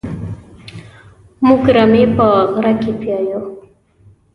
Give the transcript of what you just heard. موږ رمې په غره کې پيايو.